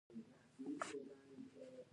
ایا زه باید ماشوم شم؟